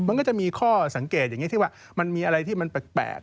มันก็จะมีข้อสังเกตอย่างนี้ที่ว่ามันมีอะไรที่มันแปลก